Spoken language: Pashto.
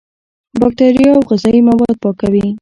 بکتریا او غذایي مواد پاکوي.